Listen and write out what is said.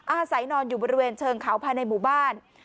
อาศัยนอนอยู่บริเวณเชิงเขาภายในหมู่บ้าน